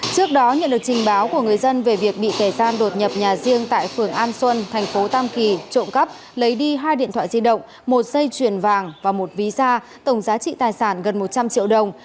trước đó nhận được trình báo của người dân về việc bị kẻ gian đột nhập nhà riêng tại phường an xuân thành phố tam kỳ trộm cắp lấy đi hai điện thoại di động một dây chuyền vàng và một ví da tổng giá trị tài sản gần một trăm linh triệu đồng